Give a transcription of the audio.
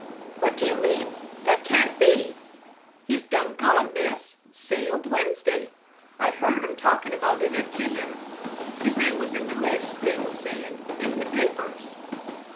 "What do you mean? That can't be." "He's done gone, miss. Sailed Wednesday. I heerd 'em talking about it at dinner. His name was in the list, they was sayin'; in the papers."